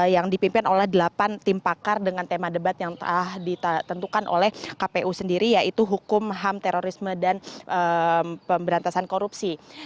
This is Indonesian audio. yang dipimpin oleh delapan tim pakar dengan tema debat yang telah ditentukan oleh kpu sendiri yaitu hukum ham terorisme dan pemberantasan korupsi